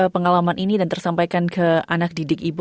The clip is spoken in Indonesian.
pengalaman ini dan tersampaikan ke anak didik ibu